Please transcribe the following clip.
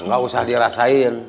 gak usah dirasain